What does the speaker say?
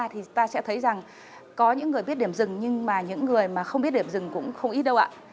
thì ta sẽ thấy rằng có những người biết điểm rừng nhưng mà những người mà không biết điểm rừng cũng không ít đâu ạ